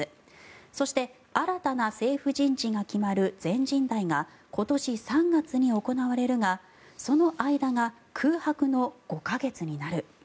そして新たな政府人事が決まる全人代が今年３月に行われるがその間が空白の５か月になる。